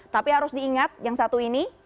tapi harus diingat yang satu ini